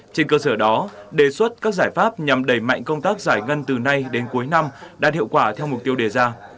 trên cơ sở đó đề xuất các giải pháp nhằm đẩy mạnh công tác giải ngân từ nay đến cuối năm đạt hiệu quả theo mục tiêu đề ra